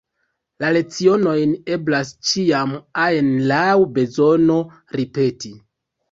Lecionojn eblas ĉiam ajn laŭ bezono ripeti.